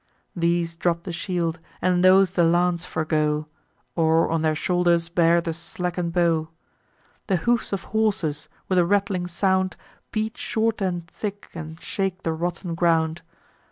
These drop the shield, and those the lance forego, Or on their shoulders bear the slacken'd bow. The hoofs of horses, with a rattling sound, Beat short and thick, and shake the rotten ground.